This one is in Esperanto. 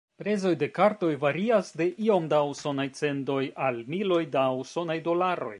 Prezoj de kartoj varias de iom da usonaj cendoj al miloj da usonaj dolaroj.